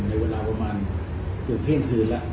ในเวลาประมาณถึงเท่าที่คืนแล้ว